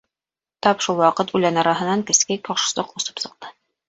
Тап шул ваҡыт үлән араһынан кескәй Ҡошсоҡ осоп сыҡты.